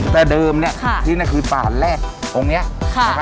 แต่เดิมเนี่ยที่นี่คือฝ่านแรกองค์เนี่ย